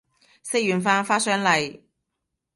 食完飯發上嚟